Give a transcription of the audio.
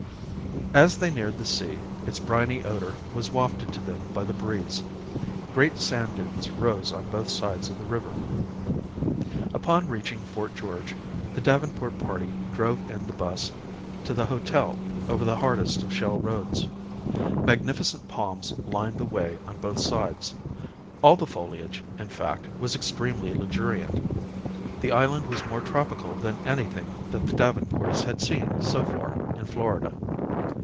As they neared the sea, its briny odor was wafted to them by the breeze. Great sand dunes rose on both sides of the river. Upon reaching Fort George, the Davenport party drove in the 'bus to the hotel, over the hardest of shell roads. Magnificent palms lined the way on both sides. All the foliage, in fact, was extremely luxuriant. The island was more tropical than anything that the Davenports had seen, so far, in Florida.